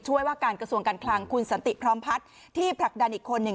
ว่าการกระทรวงการคลังคุณสันติพร้อมพัฒน์ที่ผลักดันอีกคนหนึ่ง